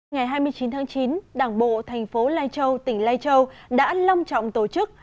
ngày hai mươi chín tháng chín đảng bộ thành phố lai châu tỉnh lai châu đã long trọng tổ chức